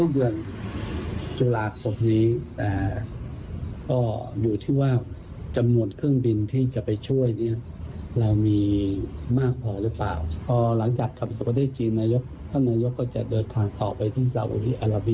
คุณผู้ชมครับตอนนี้เนี่ยเรื่องของตัวเลขเนี่ยนะครับ